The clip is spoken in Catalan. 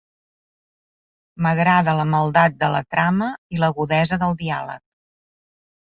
M'agrada la maldat de la trama i l'agudesa del diàleg.